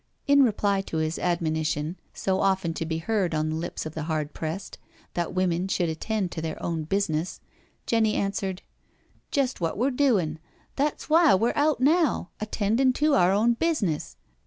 In reply to his admoni tion, so often to be heard on the lips of the hard pressed, that women should attend to their own busi ness, Jenny answered: " Jest what we're doin'— that's why we're out now— attendin' to our own business.